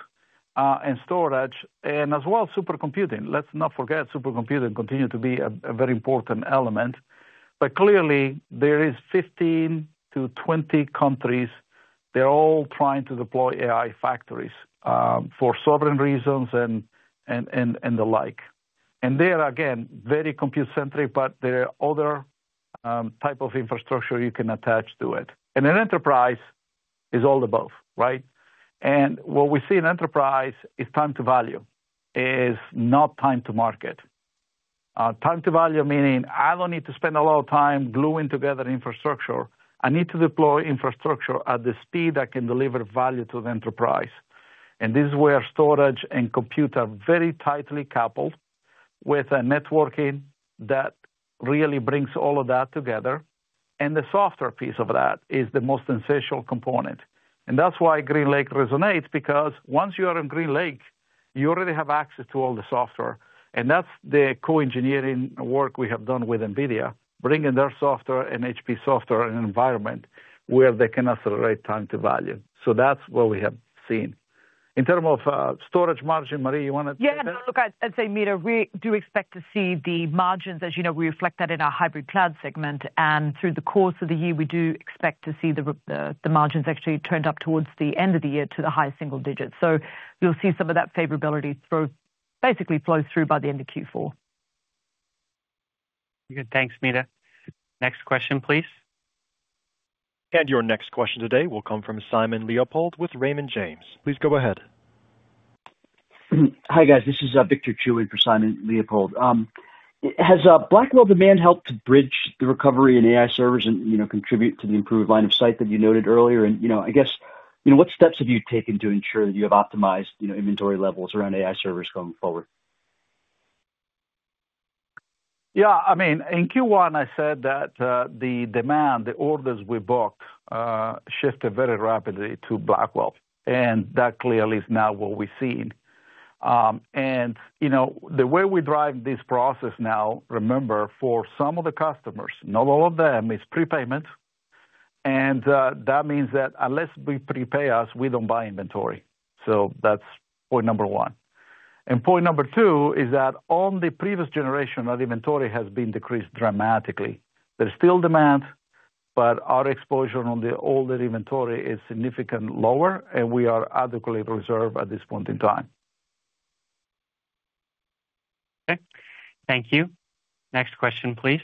and storage and as well supercomputing. Let's not forget supercomputing continues to be a very important element. Clearly, there are 15-20 countries. They're all trying to deploy AI factories for sovereign reasons and the like. There, again, very compute-centric, but there are other types of infrastructure you can attach to it. An enterprise is all above, right? What we see in enterprise is time to value, is not time to market. Time to value meaning I don't need to spend a lot of time gluing together infrastructure. I need to deploy infrastructure at the speed I can deliver value to the enterprise. This is where storage and compute are very tightly coupled with networking that really brings all of that together. The software piece of that is the most essential component. That's why GreenLake resonates because once you are in GreenLake, you already have access to all the software. That's the co-engineering work we have done with NVIDIA, bringing their software and HPE software in an environment where they can accelerate time to value. That's what we have seen. In terms of storage margin, Marie, you want to take that? Yeah. No, look, I'd say, Mita, we do expect to see the margins, as you know, we reflect that in our hybrid cloud segment. Through the course of the year, we do expect to see the margins actually turn up towards the end of the year to the high single digits. You'll see some of that favorability basically flow through by the end of Q4. Thanks, Mita. Next question, please. Your next question today will come from Simon Leopold with Raymond James. Please go ahead. Hi, guys. This is Victor Chewin for Simon Leopold. Has Blackwell demand helped to bridge the recovery in AI servers and contribute to the improved line of sight that you noted earlier? I guess, what steps have you taken to ensure that you have optimized inventory levels around AI servers going forward? Yeah. I mean, in Q1, I said that the demand, the orders we booked, shifted very rapidly to Blackwell. That clearly is now what we've seen. The way we drive this process now, remember, for some of the customers, not all of them, is prepayment. That means that unless they prepay us, we don't buy inventory. That's point number one. Point number two is that on the previous generation, that inventory has been decreased dramatically. There's still demand, but our exposure on the older inventory is significantly lower, and we are adequately reserved at this point in time. Okay. Thank you. Next question, please.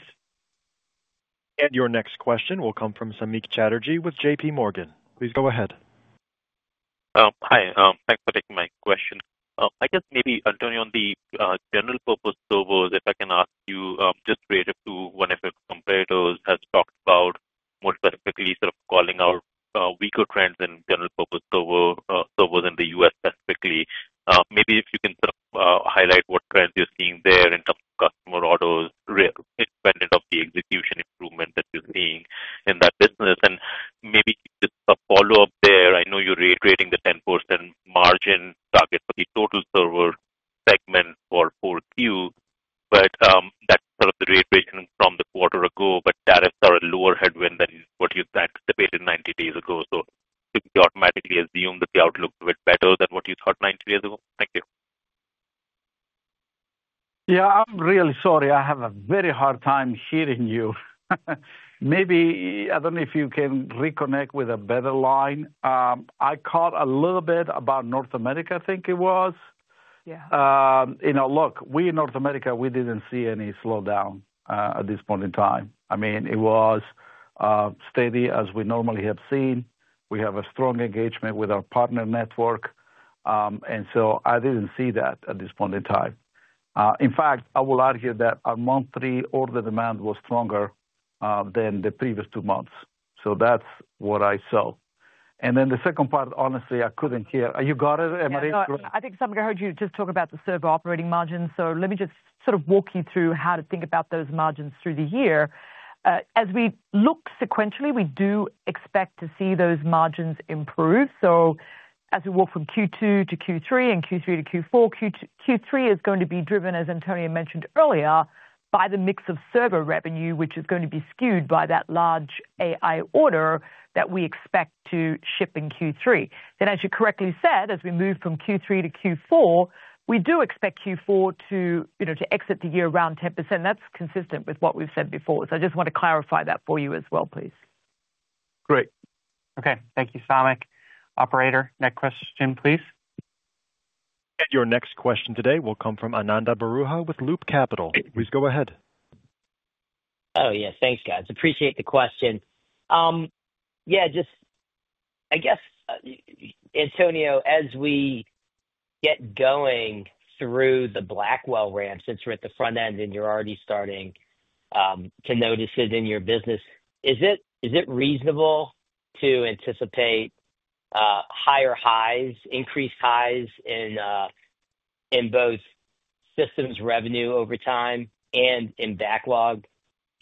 Your next question will come from Samik Chatterjee with JPMorgan. Please go ahead. Hi. Thanks for taking my question. I guess maybe, Antonio, on the general purpose servers, if I can ask you, just relative to whenever competitors have talked about more specifically sort of calling out weaker trends in general purpose servers in the U.S. specifically, maybe if you can sort of highlight what trends you're seeing there in terms of customer orders, independent of the execution improvement that you're seeing in that business. Maybe just a follow-up there. I know you're reiterating the 10% margin target for the total server segment for Q4, but that's sort of the reiteration from the quarter ago. Tariffs are a lower headwind than what you anticipated 90 days ago. Did you automatically assume that the outlook was better than what you thought 90 days ago? Thank you. Yeah. I'm really sorry. I have a very hard time hearing you. Maybe I don't know if you can reconnect with a better line. I caught a little bit about North America, I think it was. Look, we in North America, we didn't see any slowdown at this point in time. I mean, it was steady as we normally have seen. We have a strong engagement with our partner network. I didn't see that at this point in time. In fact, I will argue that our monthly order demand was stronger than the previous two months. That's what I saw. The second part, honestly, I couldn't hear. Are you got it, Marie? I think Simon got to heard you just talk about the server operating margins. Let me just sort of walk you through how to think about those margins through the year. As we look sequentially, we do expect to see those margins improve. As we walk from Q2-Q3 and Q3-Q4, Q3 is going to be driven, as Antonio mentioned earlier, by the mix of server revenue, which is going to be skewed by that large AI order that we expect to ship in Q3. As you correctly said, as we move from Q3-Q4, we do expect Q4 to exit the year around 10%. That is consistent with what we have said before. I just want to clarify that for you as well, please. Great. Okay. Thank you, Samik. Operator, next question, please. Your next question today will come from Ananda Baruah with Loop Capital. Please go ahead. Oh, yes. Thanks, guys. Appreciate the question. Yeah. Just I guess, Antonio, as we get going through the Blackwell ramp, since we're at the front end and you're already starting to notice it in your business, is it reasonable to anticipate higher highs, increased highs in both systems revenue over time and in backlog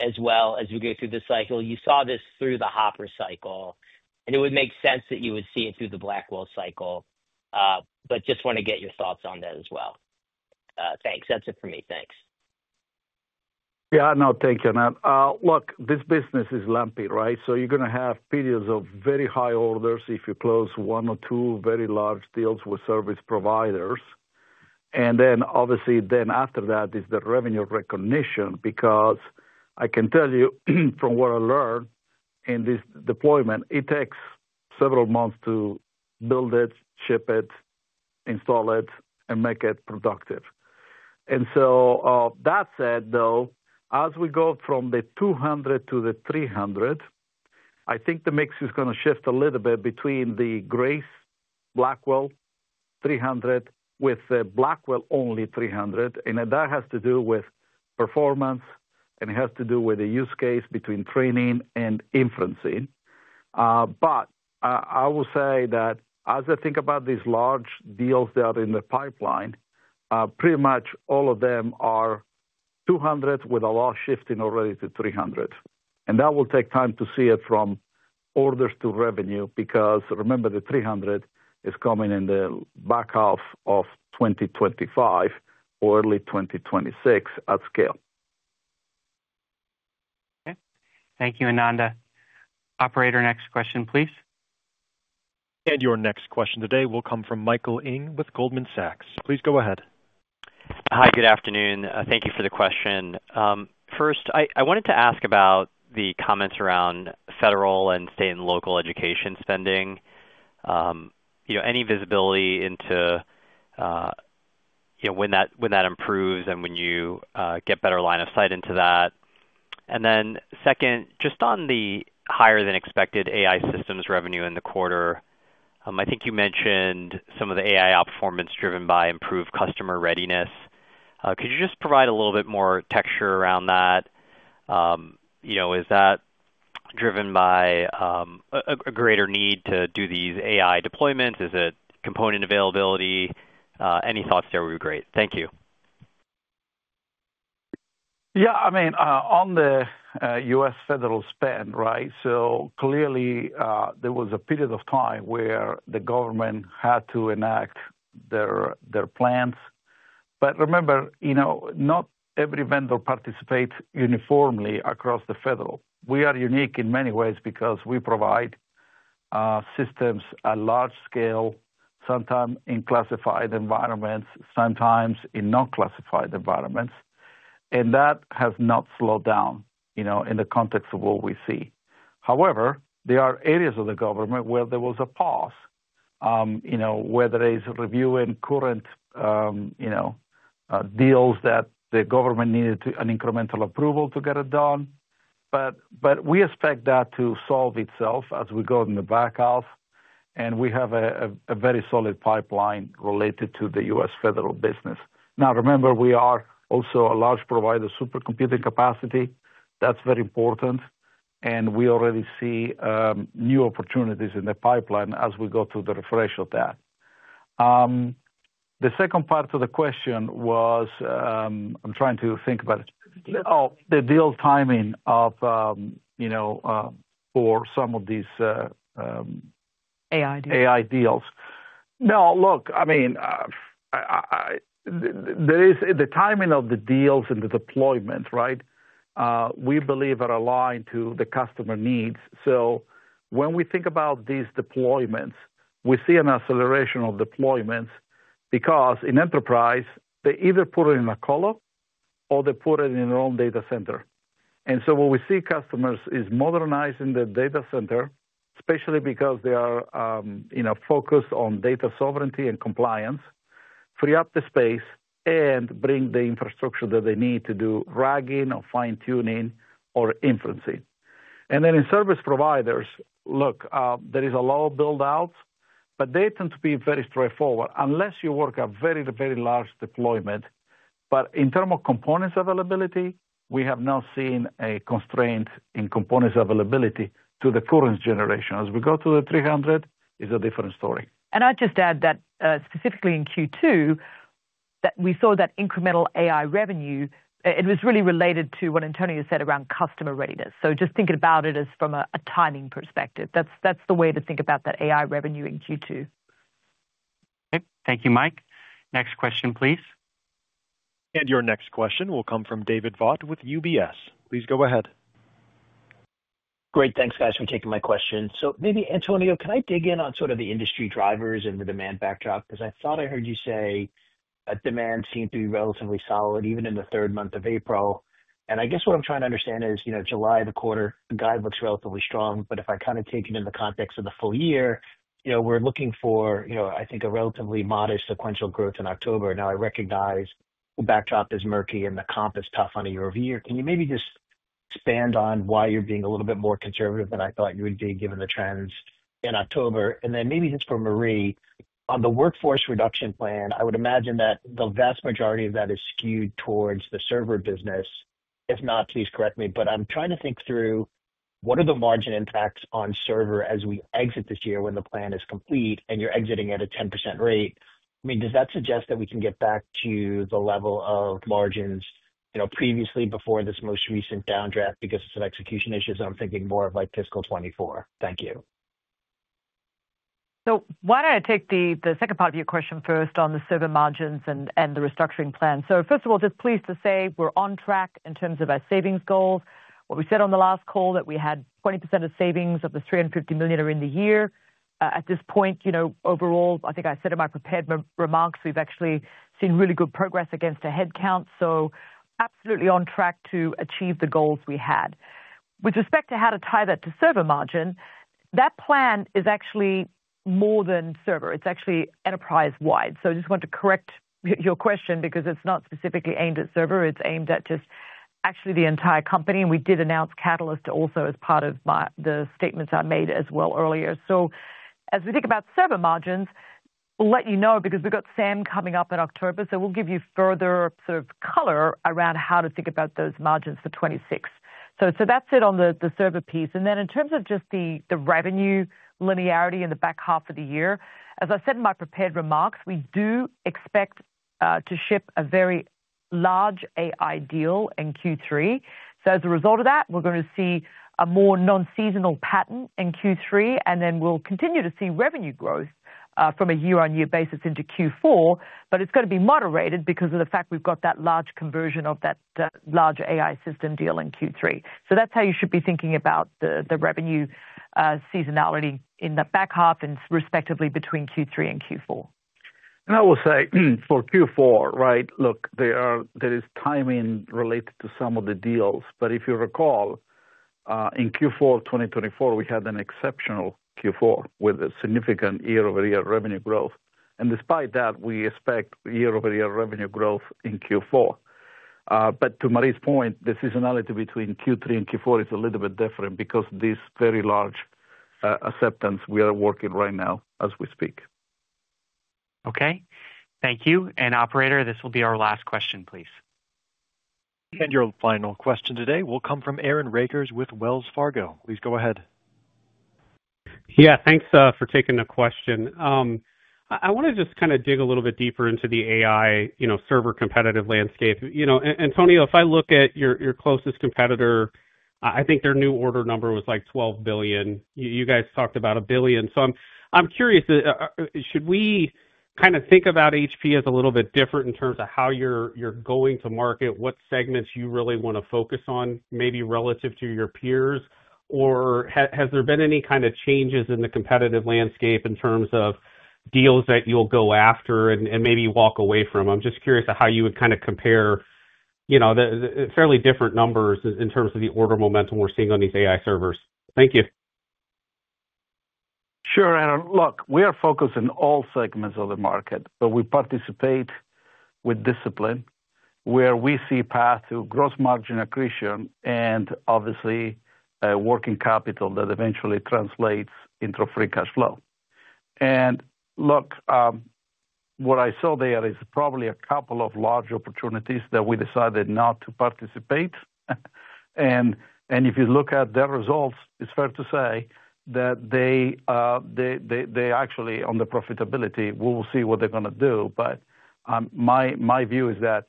as well as we go through the cycle? You saw this through the Hopper cycle, and it would make sense that you would see it through the Blackwell cycle. Just want to get your thoughts on that as well. Thanks. That's it for me. Thanks. Yeah. No, thank you, Anand. Look, this business is lumpy, right? You're going to have periods of very high orders if you close one or two very large deals with service providers. Obviously, after that is the revenue recognition because I can tell you from what I learned in this deployment, it takes several months to build it, ship it, install it, and make it productive. That said, though, as we go from the 200 to the 300, I think the mix is going to shift a little bit between the Grace Blackwell 300 with the Blackwell only 300. That has to do with performance, and it has to do with the use case between training and inferencing. I will say that as I think about these large deals that are in the pipeline, pretty much all of them are 200 with a lot shifting already to 300. That will take time to see it from orders to revenue because remember, the 300 is coming in the back half of 2025 or early 2026 at scale. Okay. Thank you, Ananda. Operator, next question, please. Your next question today will come from Michael Ng with Goldman Sachs. Please go ahead. Hi. Good afternoon. Thank you for the question. First, I wanted to ask about the comments around federal and state and local education spending. Any visibility into when that improves and when you get better line of sight into that? Second, just on the higher-than-expected AI systems revenue in the quarter, I think you mentioned some of the AI outperformance driven by improved customer readiness. Could you just provide a little bit more texture around that? Is that driven by a greater need to do these AI deployments? Is it component availability? Any thoughts there would be great. Thank you. Yeah. I mean, on the U.S. federal spend, right? Clearly, there was a period of time where the government had to enact their plans. Remember, not every vendor participates uniformly across the federal. We are unique in many ways because we provide systems at large scale, sometimes in classified environments, sometimes in non-classified environments. That has not slowed down in the context of what we see. However, there are areas of the government where there was a pause, whether it is reviewing current deals that the government needed an incremental approval to get it done. We expect that to solve itself as we go in the back half. We have a very solid pipeline related to the US federal business. Now, remember, we are also a large provider of supercomputing capacity. That is very important. We already see new opportunities in the pipeline as we go through the refresh of that. The second part of the question was I'm trying to think about the deal timing for some of these AI deals. Now, look, I mean, the timing of the deals and the deployment, right, we believe are aligned to the customer needs. When we think about these deployments, we see an acceleration of deployments because in enterprise, they either put it in a colo or they put it in their own data center. What we see customers doing is modernizing the data center, especially because they are focused on data sovereignty and compliance, free up the space, and bring the infrastructure that they need to do ragging or fine-tuning or inferencing. In service providers, look, there is a lot of buildouts, but they tend to be very straightforward unless you work a very, very large deployment. In terms of components availability, we have now seen a constraint in components availability to the current generation. As we go to the 300, it is a different story. I would just add that specifically in Q2, we saw that incremental AI revenue, it was really related to what Antonio said around customer readiness. Just thinking about it from a timing perspective, that is the way to think about that AI revenue in Q2. Thank you, Mike. Next question, please. Your next question will come from David Vogt with UBS. Please go ahead. Great. Thanks, guys, for taking my question. Maybe, Antonio, can I dig in on sort of the industry drivers and the demand backdrop? Because I thought I heard you say that demand seemed to be relatively solid even in the third month of April. I guess what I'm trying to understand is July, the quarter, the guide looks relatively strong. If I kind of take it in the context of the full year, we're looking for, I think, a relatively modest sequential growth in October. I recognize the backdrop is murky and the comp is tough on a year-over-year. Can you maybe just expand on why you're being a little bit more conservative than I thought you would be given the trends in October? Maybe just for Marie, on the workforce reduction plan, I would imagine that the vast majority of that is skewed towards the server business. If not, please correct me. I'm trying to think through what are the margin impacts on server as we exit this year when the plan is complete and you're exiting at a 10% rate? I mean, does that suggest that we can get back to the level of margins previously before this most recent downdraft because of some execution issues? I'm thinking more of fiscal 2024. Thank you. Why don't I take the second part of your question first on the server margins and the restructuring plan? First of all, just pleased to say we're on track in terms of our savings goals. What we said on the last call was that we had 20% of savings of the $350 million are in the year. At this point, overall, I think I said in my prepared remarks, we've actually seen really good progress against a headcount. Absolutely on track to achieve the goals we had. With respect to how to tie that to server margin, that plan is actually more than server. It is actually enterprise-wide. I just want to correct your question because it is not specifically aimed at server. It is aimed at just actually the entire company. We did announce Catalyst also as part of the statements I made as well earlier. As we think about server margins, we will let you know because we have got Sam coming up in October. We will give you further sort of color around how to think about those margins for 2026. That is it on the server piece. In terms of just the revenue linearity in the back half of the year, as I said in my prepared remarks, we do expect to ship a very large AI deal in Q3. As a result of that, we're going to see a more non-seasonal pattern in Q3. Then we'll continue to see revenue growth from a year-on-year basis into Q4. It is going to be moderated because of the fact we've got that large conversion of that large AI system deal in Q3. That is how you should be thinking about the revenue seasonality in the back half and respectively between Q3 and Q4. I will say for Q4, right, look, there is timing related to some of the deals. If you recall, in Q4 of 2024, we had an exceptional Q4 with significant year-over-year revenue growth. Despite that, we expect year-over-year revenue growth in Q4. To Marie's point, the seasonality between Q3 and Q4 is a little bit different because of this very large acceptance we are working right now as we speak. Okay. Thank you. Operator, this will be our last question, please. Your final question today will come from Aaron Rakers with Wells Fargo. Please go ahead. Yeah. Thanks for taking the question. I want to just kind of dig a little bit deeper into the AI server competitive landscape. Antonio, if I look at your closest competitor, I think their new order number was like $12 billion. You guys talked about $1 billion. I'm curious, should we kind of think about HPE as a little bit different in terms of how you're going to market, what segments you really want to focus on maybe relative to your peers? Has there been any kind of changes in the competitive landscape in terms of deals that you'll go after and maybe walk away from? I'm just curious how you would kind of compare fairly different numbers in terms of the order momentum we're seeing on these AI servers. Thank you. Sure. Look, we are focused in all segments of the market, but we participate with discipline where we see path to gross margin accretion and obviously working capital that eventually translates into free cash flow. What I saw there is probably a couple of large opportunities that we decided not to participate. If you look at their results, it's fair to say that they actually, on the profitability, we will see what they're going to do. My view is that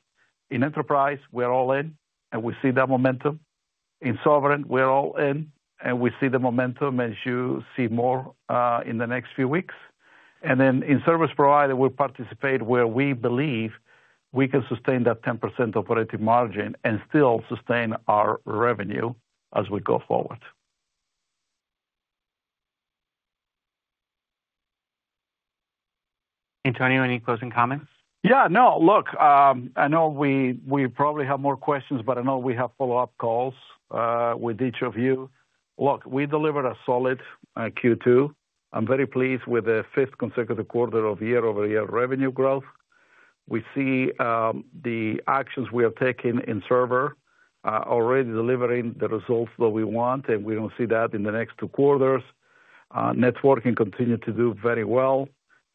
in enterprise, we're all in, and we see that momentum. In sovereign, we're all in, and we see the momentum as you see more in the next few weeks. And then in service provider, we participate where we believe we can sustain that 10% operating margin and still sustain our revenue as we go forward. Antonio, any closing comments? Yeah. No. Look, I know we probably have more questions, but I know we have follow-up calls with each of you. Look, we delivered a solid Q2. I'm very pleased with the fifth consecutive quarter of year-over-year revenue growth. We see the actions we are taking in server already delivering the results that we want, and we're going to see that in the next two quarters. Networking continued to do very well.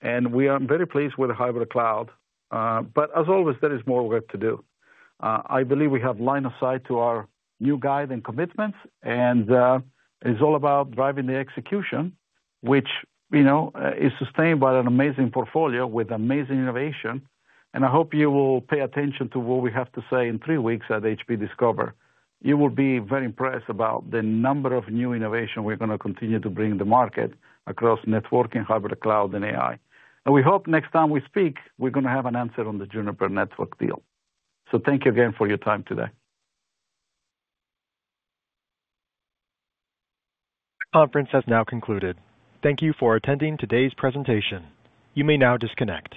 We are very pleased with the hybrid cloud. As always, there is more work to do. I believe we have line of sight to our new guide and commitments. It's all about driving the execution, which is sustained by an amazing portfolio with amazing innovation. I hope you will pay attention to what we have to say in three weeks at HPE Discover. You will be very impressed about the number of new innovations we're going to continue to bring to the market across networking, hybrid cloud, and AI. We hope next time we speak, we're going to have an answer on the Juniper Networks deal. Thank you again for your time today. fThe conference has now concluded. Thank you for attending today's presentation. You may now disconnect.